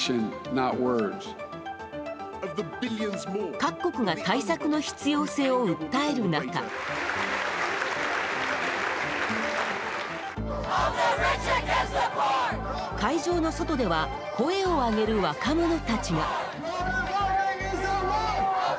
各国が対策の必要性を訴える中会場の外では声を上げる若者たちが。